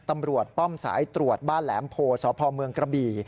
ตำรวจป้อมสายตรวจบ้านแหลมโพสพกระบี